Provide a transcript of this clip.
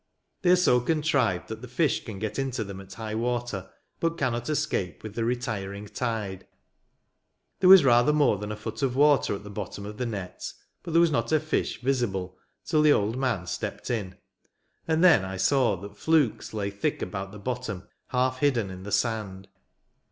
They are so contrived that the fish can get into them at high water, but cannot escape with the retiring tide. There was rather more than a foot of water at the bottom of the nets ; but there was not a fish visible, till the old man stepped in ; aud then I saw that flukes lay thick about the bottom, half hidden in the sand.